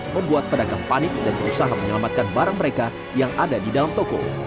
membuat pedagang panik dan berusaha menyelamatkan barang mereka yang ada di dalam toko